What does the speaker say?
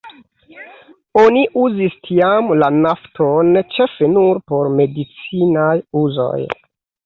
Oni uzis tiam la nafton ĉefe nur por medicinaj uzoj.